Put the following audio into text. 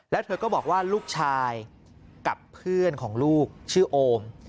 แล้วเธอก็บอกว่าลูกชายกับเพื่อนของลูกชื่อโอม